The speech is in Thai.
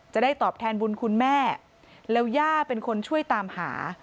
จะได้ตอบแทนบุญคุณแม่แล้วย่าเป็นคนช่วยตามหา